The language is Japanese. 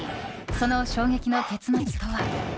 その衝撃の結末とは。